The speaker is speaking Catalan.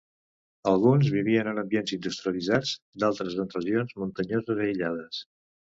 Alguns vivien en ambients industrialitzats, d'altres en regions muntanyoses aïllades.